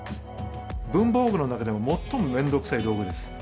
文房具の中でも最も面倒くさい道具です